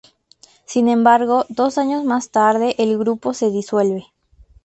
Sin embargo dos años más tarde el grupo se disuelve.